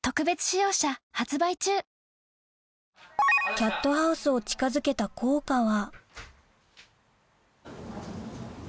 キャットハウスを近づけた効果は？